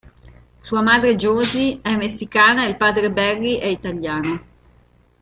Sua madre Josie è messicana e il padre Barry è italiano.